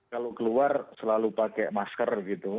kalau keluar selalu pakai masker gitu